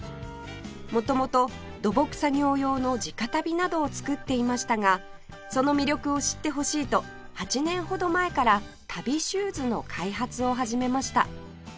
元々土木作業用の地下足袋などを作っていましたがその魅力を知ってほしいと８年ほど前から足袋シューズの開発を始めました